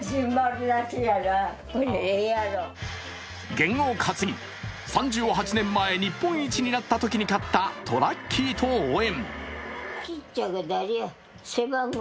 験を担ぎ、３８年前日本一になったときに買ったトラッキーと応援。